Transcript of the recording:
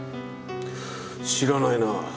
知らないなあ。